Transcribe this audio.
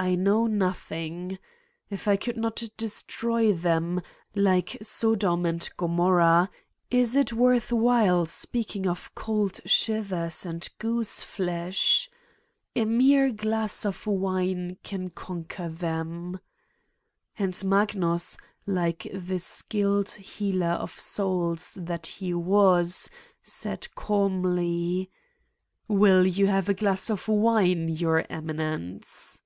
I know nothing, If I could not destroy them, like Sodom and Go morrah, is it worth while speaking of cold shivers 257 Satan's Diary and goose flesh? A mere glass of wine can con quer them. And Magnus, like the skilled healer of souls that he was, said calmly: "Will you have a glass of wine, Your Emi nence?''